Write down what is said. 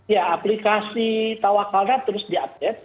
ya aplikasi tawakalna terus di update